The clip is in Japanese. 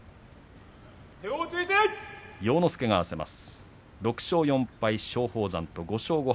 要之助が合わせます。